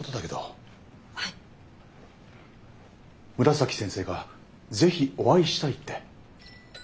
紫先生がぜひお会いしたいって。